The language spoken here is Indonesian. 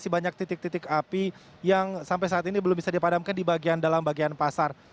masih banyak titik titik api yang sampai saat ini belum bisa dipadamkan di bagian dalam bagian pasar